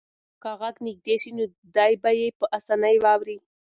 که غږ نږدې شي نو دی به یې په اسانۍ واوري.